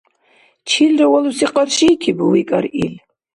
— Чилра валуси къаршиикибу? — викӀар ил.